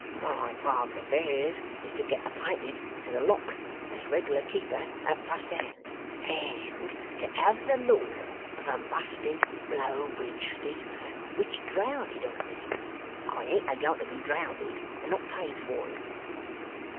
My private affairs is to get appinted to the Lock as reg'lar keeper at fust hand, and to have the law of a busted B'low Bridge steamer which drownded of me. I ain't a goin' to be drownded and not paid for it!